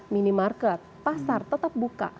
mini market pasar tetap buka